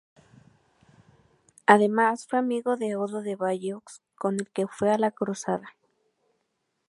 Además fue amigo de Odo de Bayeux, con el que fue a la Cruzada.